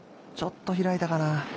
ちょっと開いたかな。